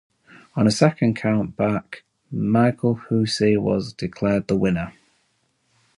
On a second count-back Michael Hussey was declared the winner.